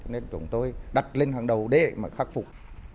nên chúng tôi đặt lên hàng đầu để mà khắc phục